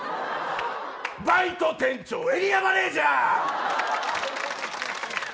バイト、店長エリアマネージャー！